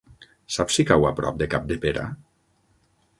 Saps si cau a prop de Capdepera?